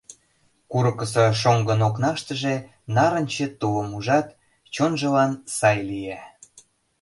Курыкысо шоҥгын окнаштыже нарынче тулым ужат, чонжылан сай лие.